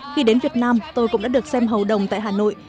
khi đến việt nam tôi cũng đã được xem hầu đồng tại hà nội